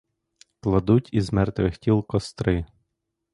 Кладуть із мертвих тіл костри;